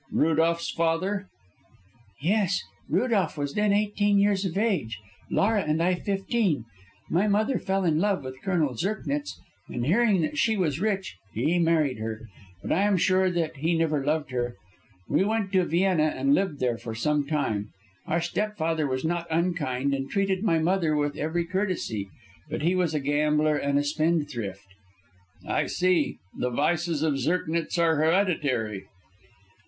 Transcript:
"Rudolph's father?" "Yes. Rudolph was then eighteen years of age, Laura and I fifteen. My mother fell in love with Colonel Zirknitz, and hearing that she was rich, he married her. But I am sure that he never loved her. We went to Vienna and lived there for some time. Our stepfather was not unkind, and treated my mother with every courtesy, but he was a gambler and a spendthrift." "I see. The vices of Zirknitz are hereditary!"